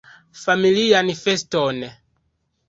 Familian feston!